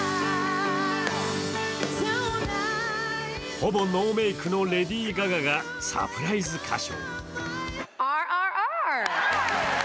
ほぼノーメイクのレディー・ガガがサプライズ歌唱。